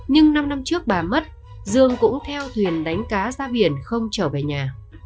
nhưng năm năm trước bà mất dương cũng theo thuyền đánh cá ra biển không trở về nhà